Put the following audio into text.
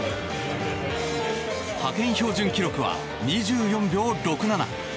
派遣標準記録は２４秒６７。